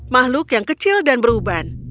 makhluk yang kecil dan berubah